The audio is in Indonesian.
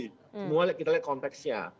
semua kita lihat konteksnya